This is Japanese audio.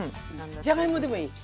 じゃがいもでもいい？